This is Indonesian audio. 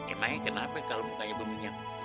emang kenapa kalo mukanya berminyak